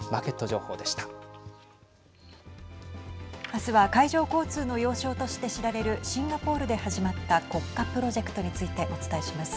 あすは海上交通の要衝として知られるシンガポールで始まった国家プロジェクトについてお伝えします。